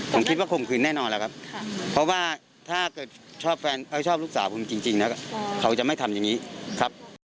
ผมคิดว่าคมคืนแน่นอนแล้วครับเพราะว่าถ้าเกิดชอบแฟนเขาชอบลูกสาวผมจริงนะเขาจะไม่ทำอย่างนี้ครับ